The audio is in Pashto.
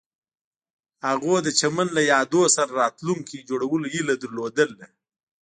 هغوی د چمن له یادونو سره راتلونکی جوړولو هیله لرله.